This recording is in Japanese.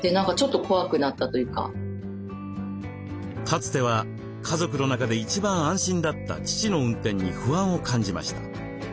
かつては家族の中で一番安心だった父の運転に不安を感じました。